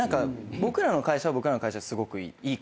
僕らの会社は僕らの会社ですごくいいことで。